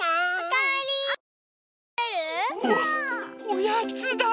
おやつだ！